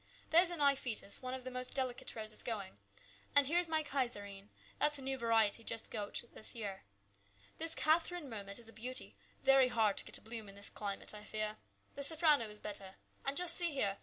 "There's a Nyphetis, one of the most delicate roses going. And here is my Keizerine ; that's a new variety just out this year. This Catherine Mermet is a beauty. Very hard to get a bloom in this climate, I fear. The Safrano is better. And just see here !